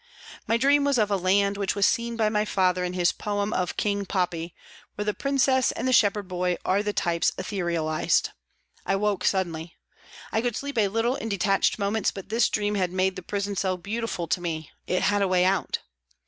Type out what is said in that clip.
My dream was of a land which was seen by my father in his poem of " King Poppy," where the princess and the WALTON GAOL, LIVERPOOL 265 shepherd boy are the types etherealised. I woke suddenly. I could sleep a little in detached moments, but this dream had made the prison cell beautiful to me ; it had a way out.